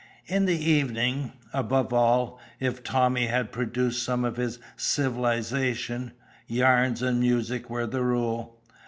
In the evening above all, if Tommy had produced some of his civilisation yarns and music were the rule.